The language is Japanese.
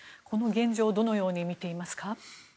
この現状どのように見ていますか。